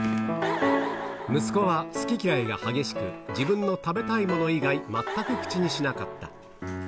息子は好き嫌いが激しく、自分の食べたいもの以外、全く口にしなかった。